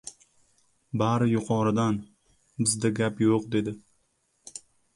— Bari yuqoridan, bizda gap yo‘q, — dedi.